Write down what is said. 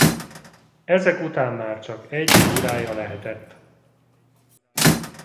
Ezek után már csak egy órája lehetett.